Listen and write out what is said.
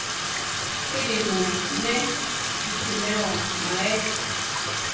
Píri mu ne ichimeo maé?